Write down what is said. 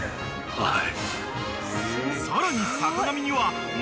はい。